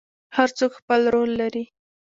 هر څوک خپل رول لري